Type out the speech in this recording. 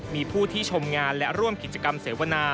มีผู้ที่ชมงานและร่วมกิจกรรมเสวนา